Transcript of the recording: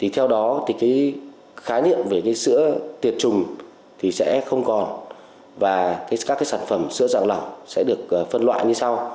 theo đó khái niệm về sữa tiệt trùng sẽ không còn và các sản phẩm sữa dạng lỏng sẽ được phân loại như sau